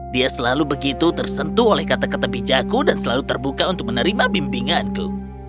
dia selalu begitu tersentuh oleh kata kata bijakku dan selalu terbuka untuk menerima bimbinganku